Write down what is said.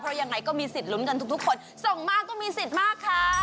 เพราะยังไงก็มีสิทธิ์ลุ้นกันทุกคนส่งมากก็มีสิทธิ์มากค่ะ